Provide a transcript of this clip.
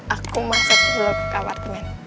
aku masuk ke apartemen